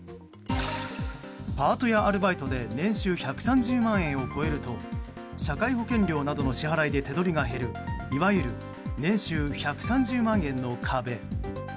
パートやアルバイトで年収１３０万円を超えると社会保険料などの支払いで手取りが減るいわゆる年収１３０万円の壁。